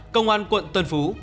công an quận tân phú